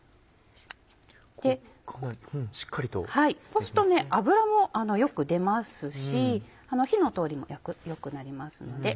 こうすると脂もよく出ますし火の通りも良くなりますので。